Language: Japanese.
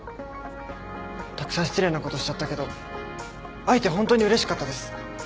たくさん失礼なことしちゃったけど会えて本当にうれしかったです。